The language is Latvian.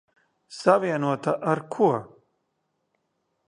Savienota ar ko?